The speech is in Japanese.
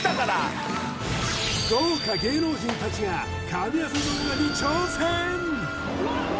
豪華芸能人たちが神業動画に挑戦！